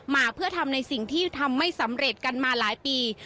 มาเพื่อทำในสิ่งที่ทำไม่สำเร็จกันมาหลายปี